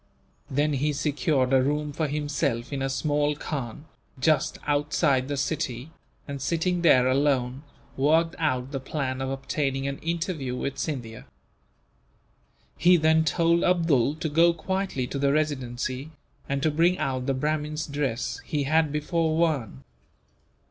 Then he secured a room for himself in a small khan, just outside the city and, sitting there alone, worked out the plan of obtaining an interview with Scindia. He then told Abdool to go quietly to the Residency, and to bring out the Brahmin's dress he had before worn.